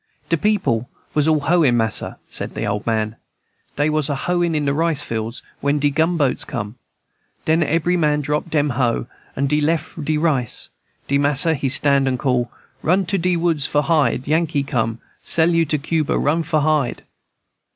"De people was all a hoein', mas'r," said the old man. "Dey was a hoein' in the rice field, when de gunboats come. Den ebry man drap dem hoe, and leff de rice. De mas'r he stand and call, 'Run to de wood for hide! Yankee come, sell you to Cuba! run for hide!'